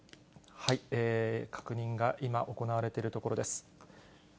確認が今行われているところです。